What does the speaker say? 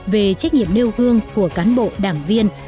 về trách nhiệm nêu gương của cán bộ đảng viên